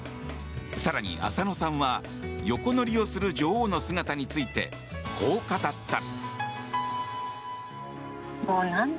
更に、浅野さんは横乗りをする女王の姿についてこう語った。